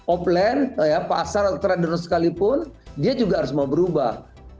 offline pasar tradisional sekalipun dia juga harus mau berubah